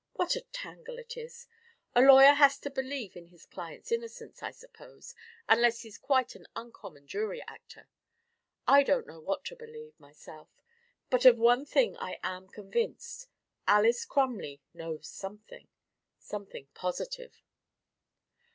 What a tangle it is! A lawyer has to believe in his client's innocence, I suppose, unless he's quite an uncommon jury actor. I don't know what to believe, myself. But of one thing I am convinced: Alys Crumley knows something something positive."